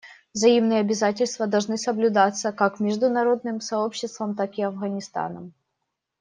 Взаимные обязательства должны соблюдаться как международным сообществом, так и Афганистаном.